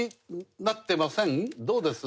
どうです？